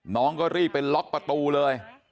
น้องก็รีบไปล็อกประตูเลย